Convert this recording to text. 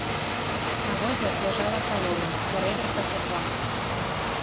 На возе ляжала салома, пярэбірка са два.